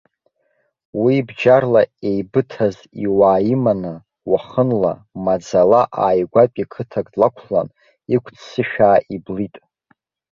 Уи бџьарла еибыҭаз иуаа иманы, уахынла, маӡала ааигәатәи қыҭак длақәлан иқәццышәаа иблит.